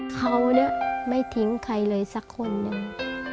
เขาไม่ทิ้งใครเลยสักคนหนึ่ง